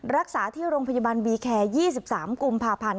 รักษาที่โรงพยาบาลบีแคร์๒๓กุมภาพันธ์